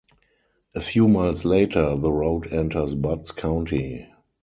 A few miles later, the road enters Butts County.